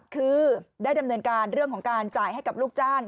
คือได้ดำเนินการเรื่องของการจ่ายให้กับลูกจ้าง